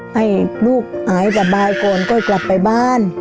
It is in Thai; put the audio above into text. ให้ลูกหายสบายก่อนค่อยกลับไปบ้าน